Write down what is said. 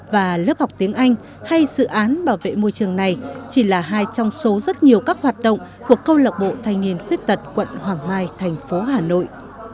và lớp học tiếng anh hay dự án bảo vệ môi trường này chỉ là hai trong số rất nhiều các hoạt động của câu lạc bộ thanh niên khuyết tật quận hoàng mai thành phố hà nội